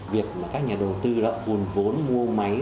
việc các nhà đầu tư buồn vốn mua máy